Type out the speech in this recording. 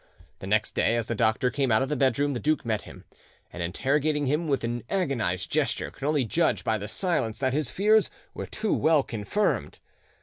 The next day, as the doctor came out of the bedroom, the duke met him, and interrogating him with an agonised gesture, could only judge by the silence that his fears were too well confirmed.